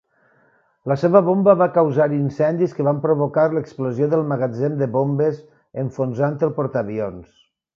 La seva bomba va causar incendis que van provocar l'explosió del magatzem de bombes, enfonsant el portaavions.